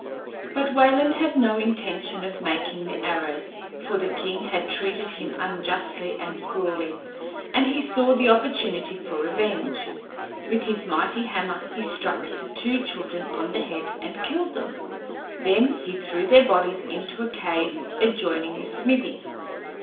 But Wayland had no intention of making the arrows, for the king had treated him unjustly and cruelly, and he saw the opportunity for revenge. With his mighty hammer he struck the two children on the head and killed them. Then he threw their bodies into a cave adjoining the smithy.